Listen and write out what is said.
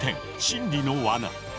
心理のワナ。